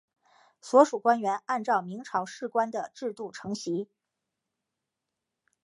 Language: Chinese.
所属官员按照明朝土官的制度承袭。